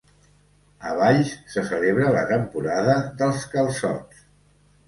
A Valls se celebra la temporada dels calçots